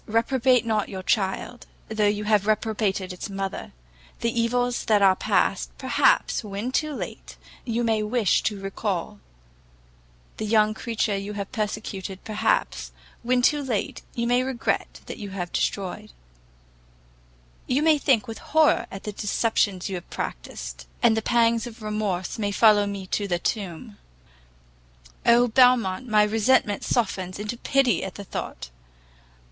reprobate not your child, though you have reprobated its mother. The evils that are past, perhaps, when too late, you may wish to recal; the young creature you have persecuted, perhaps, when too late, you may regret that you have destroyed; you may think with horror of the deceptions you have practised, and the pangs of remorse may follow me to the tomb: Oh, Belmont, all my resentment softens into pity at the thought!